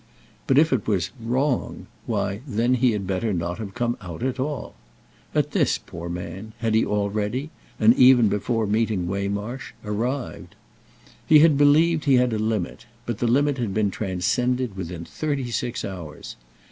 But if it was "wrong"—why then he had better not have come out at all. At this, poor man, had he already—and even before meeting Waymarsh—arrived. He had believed he had a limit, but the limit had been transcended within thirty six hours.